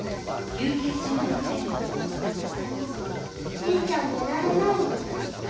じいちゃんねられないの？